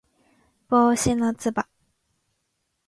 帽子のつば